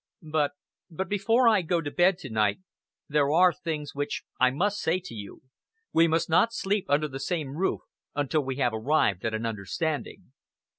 But but before I go to bed to night, there are things which I must say to you. We must not sleep under the same roof until we have arrived at an understanding."